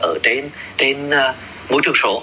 ở trên mối trường số